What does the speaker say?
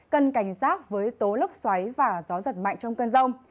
cần cảnh giác với tố lốc xoáy và gió giật mạnh trong cơn rông